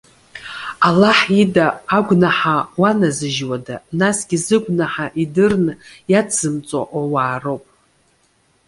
Аллаҳ ида агәнаҳа уаназыжьуада? Насгьы зыгәнаҳа идырны иацзымҵо ауаа роуп.